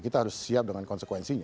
kita harus siap dengan konsekuensinya